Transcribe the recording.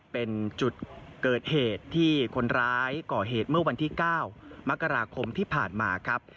เป็นจุดเกิดเหตุที่คนร้ายก่อเหตุเมื่อวันที่๙มกราคมที่ผ่านมาครับ